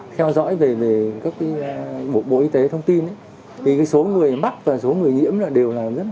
theo dõi về các bộ y tế thông tin số người mắc và số người nhiễm đều là kiểm soát tốt